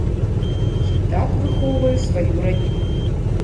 Я так выхоўваю сваю радню.